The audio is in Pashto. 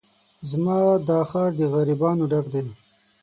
زما دا ښار د غريبانو ډک دی